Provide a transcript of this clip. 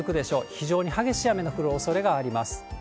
非常に激しい雨の降るおそれがあります。